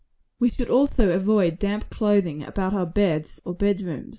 We should also avoid damp clothing about our beds or bed rooms.